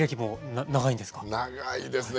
長いですね。